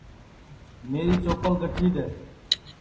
میری چوپل گٹھی دؔے